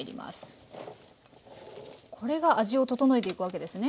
これが味を整えていくわけですね？